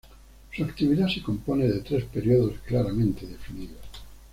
Su actividad se compone de tres periodos claramente definidos.